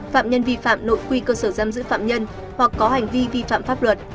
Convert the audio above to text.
phạm nhân vi phạm nội quy cơ sở giam giữ phạm nhân hoặc có hành vi vi phạm pháp luật